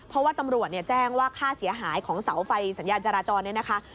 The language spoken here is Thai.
เพราะว่าตำรวจแจ้งว่าค่าเสียหายของเสาไฟสัญญาณจราจรเนี่ยนะคะ